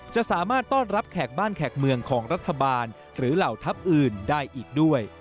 จะสามารถต้อนรับแขกบ้านแขกเมืองของรัฐบาลหรือเหล่าทัพอื่นได้อีกด้วย